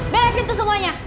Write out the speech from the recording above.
beresin tuh semuanya